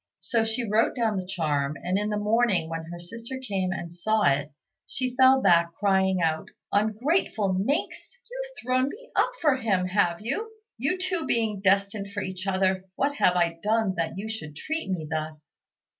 So she wrote down the charm, and in the morning when her sister came and saw it, she fell back, crying out, "Ungrateful minx! you've thrown me up for him, have you? You two being destined for each other, what have I done that you should treat me thus?"